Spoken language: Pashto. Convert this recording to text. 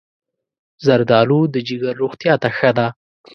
زردالو د جگر روغتیا ته ښه ده.